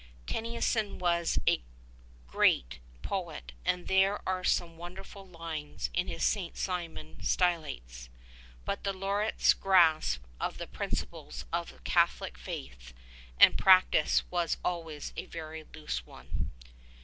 Tennyson was a great poet, and there are some wonderful lines in his St. Simeon Stylites; but the Laureate's grasp of the principles of Cath olic faith and practise was always a very loose one.